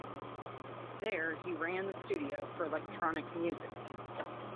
There he ran the studio for electronic music.